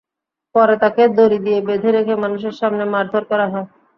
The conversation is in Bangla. পরে তাঁকে দড়ি দিয়ে বেঁধে রেখে মানুষের সামনে মারধর করা হয়।